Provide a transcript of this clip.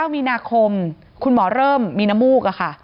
มีนาคมคุณหมอเริ่มมีน้ำมูกค่ะ